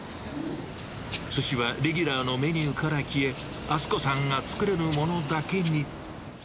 すしはレギュラーのメニューから消え、温子さんが作れるものだけに。